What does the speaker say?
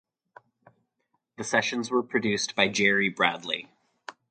The sessions were produced by Jerry Bradley.